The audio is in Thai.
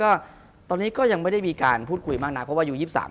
คุณผู้ชมบางท่าอาจจะไม่เข้าใจที่พิเตียร์สาร